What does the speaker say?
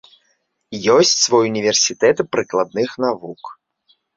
Ёсць свой універсітэт прыкладных навук.